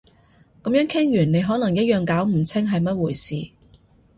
噉樣傾完你可能一樣搞唔清係乜嘢回事